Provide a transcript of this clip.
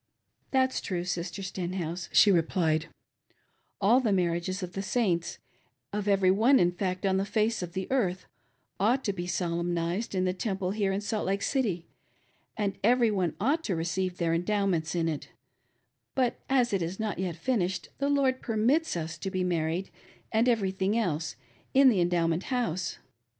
492 WAITING FOR QUEEN FANNY ! "That's true, Sister Stenhouse;" she replied,— "all the marriages of all the Saints r of every one, in fact, on the face of the earth — ought to be solemnized in the Temple here in Salt Lake City, and every one ought to receive their Endow ments in it ; but as it is not yet finished, the Lord permits us to be married, and everything else, in the Endowment House.